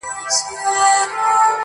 پسرلی سو ژمی ولاړی مخ یې تور سو-